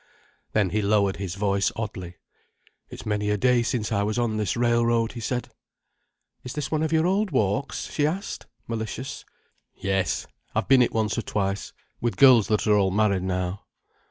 Then he lowered his voice oddly. "It's many a day since I was on this railroad," he said. "Is this one of your old walks?" she asked, malicious. "Yes, I've been it once or twice—with girls that are all married now."